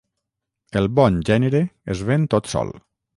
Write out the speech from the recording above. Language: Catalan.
El bon gènere es ven tot sol.